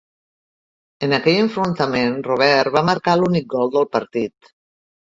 En aquell enfrontament Robert va marcar l'únic gol del partit.